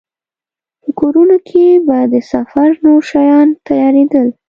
په کورونو کې به د سفر نور شیان تيارېدل.